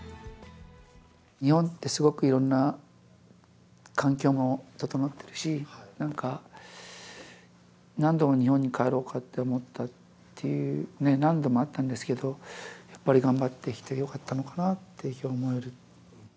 日本ってすごくいろんな環境も整ってるし、なんか、何度も日本に帰ろうかって思ったっていうね、何度もあったんですけど、やっぱり頑張ってきてよかったのかなっていうふうに思える。